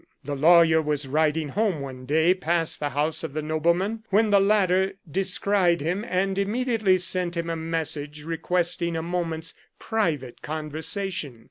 The lawyer was riding home one day, past the house of the nobleman, when the latter descried him, and immediately sent him a message requesting a moment's private conversation.